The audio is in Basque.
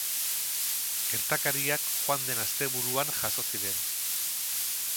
Gertakariak joan den asteburuan jazo ziren.